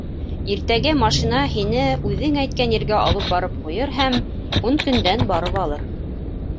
Иртәгә машина һине үҙең әйткән ергә алып барып ҡуйыр һәм... ун көндән барып алыр.